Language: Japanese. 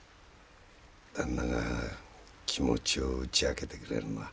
旦那が気持ちを打ち明けてくれるのは。